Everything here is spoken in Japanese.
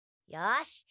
よし！